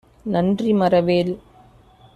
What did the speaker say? நன்றி மறவேல்.